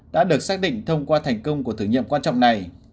đã được xác định thông qua thành công của thử nghiệm quan trọng này